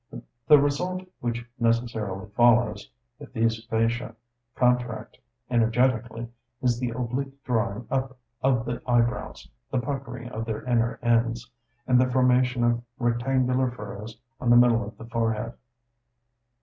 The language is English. The result which necessarily follows, if these fasciae contract energetically, is the oblique drawing up of the eyebrows, the puckering of their inner ends, and the formation of rectangular furrows on the middle of the forehead.